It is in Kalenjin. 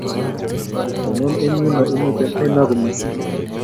tonon eng yunoe imite menagu yuu mising